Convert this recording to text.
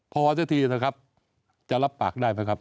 พอสักทีนะครับจะรับปากได้ไหมครับ